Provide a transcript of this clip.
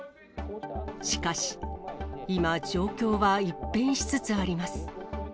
しかし、今、状況は一変しつつあります。